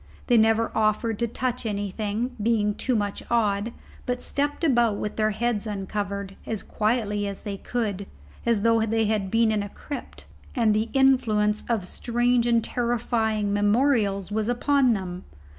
They never offered to touch anything, being too much awed, but stepped about with their heads uncovered, as quietly as they could, as though they had been in a crypt, and the influence of strange and terrifying memorials was upon them.